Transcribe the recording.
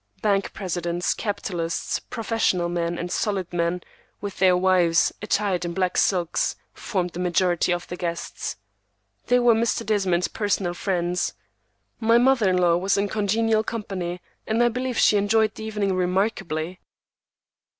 Bank presidents, capitalists, professional men, and "solid" men, with their wives, attired in black silks, formed the majority of the guests. They were Mr. Desmond's personal friends. My mother in law was in congenial company, and I believe she enjoyed the evening remarkably.